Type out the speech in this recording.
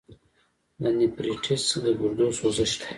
د نیفریټس د ګردو سوزش دی.